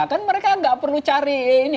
kan mereka enggak perlu cari ini ya